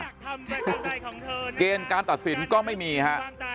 เกณฑ์การตัดสินก็ไม่มีฮะ